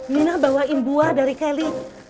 mina bawain buah dari kelly